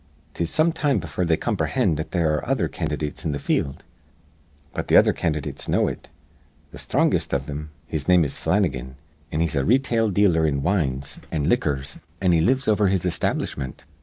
"'Tis some time befure they comprehind that there ar re other candydates in th' field. But th' other candydates know it. Th' sthrongest iv thim his name is Flannigan, an' he's a re tail dealer in wines an' liquors, an' he lives over his establishment.